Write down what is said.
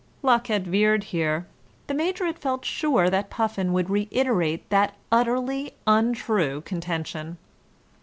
Luck had veered here: the Major had felt sure that Puffin would reiterate that utterly untrue contention.